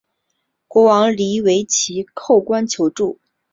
国王黎维祁叩关求救。